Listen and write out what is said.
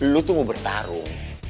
lo tuh mau bertarung